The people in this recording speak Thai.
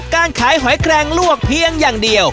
การขายหอยแกรงลวกเพียงอย่างเดียว